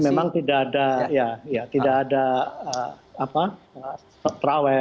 tapi memang tidak ada trawe